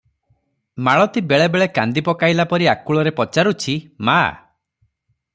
ମାଳତୀ ବେଳେ ବେଳେ କାନ୍ଦି ପକାଇଲା ପରି ଆକୁଳରେ ପଚାରୁଛି, "ମା!